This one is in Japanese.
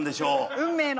運命の。